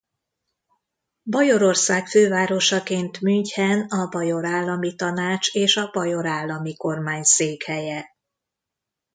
Bajorország fővárosaként München a Bajor Állami Tanács és a Bajor Állami Kormány székhelye.